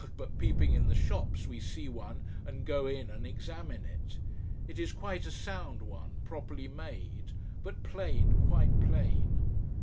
but peeping in the shops, we see one and go in and examine it. It is quite a sound one, properly made: but plain, quite plain.